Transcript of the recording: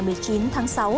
đêm một mươi chín tháng sáu